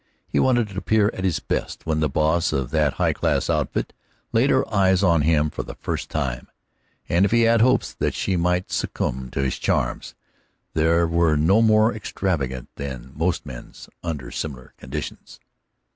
He wanted to appear at his best when the boss of that high class outfit laid her eyes on him for the first time; and if he had hopes that she might succumb to his charms, they were no more extravagant than most men's are under similar conditions.